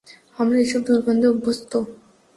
আমরা এসব দুর্গন্ধে অভ্যস্ত।